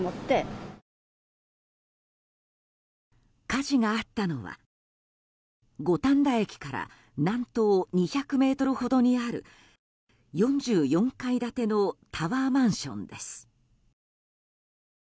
火事があったのは五反田駅から南東２００ｍほどにある４４階建てのタワーマンションです。